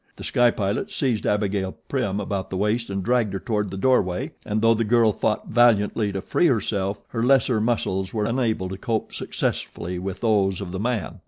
The Sky Pilot seized Abigail Prim about the waist and dragged her toward the doorway and though the girl fought valiantly to free herself her lesser muscles were unable to cope successfully with those of the man.